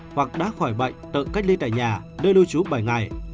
hoặc đã khỏi bệnh tự cách ly tại nhà nơi lưu trú bảy ngày